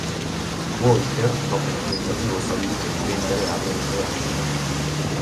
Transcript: Walker, dopo un tentativo fallito di vendere armi nucleari.